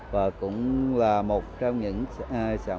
và cũng là một trong những sản phẩm nổi tiếng